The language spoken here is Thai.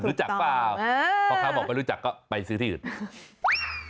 รู้จักเปล่าพ่อค้าบอกไม่รู้จักก็ไปซื้อที่อื่น